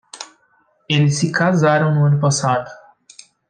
Eles se casaram no ano passado